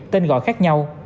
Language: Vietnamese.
tên gọi khác nhau